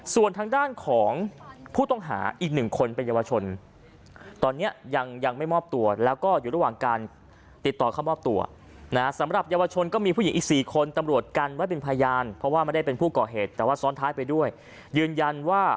ส่วนทางด้านของผู้ต้องหาอีก๑คนเป็นเยาวชน